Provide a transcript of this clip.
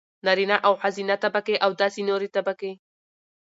نارينه او ښځينه طبقې او داسې نورې طبقې.